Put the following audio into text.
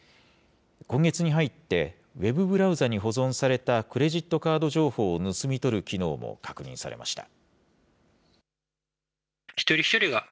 今月に入って、ウェブブラウザに保存されたクレジットカード情報を盗み取る機能も確認されました。